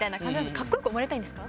かっこ良く思われたいんですか？